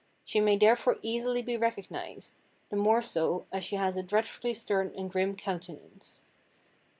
She may therefore easily be recognized; the more so, as she has a dreadfully stern and grim countenance.